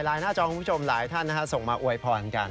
หน้าจอคุณผู้ชมหลายท่านส่งมาอวยพรกัน